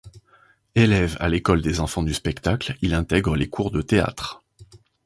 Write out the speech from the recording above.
Élève à l’école des enfants du spectacle, il intègre les cours de théâtre.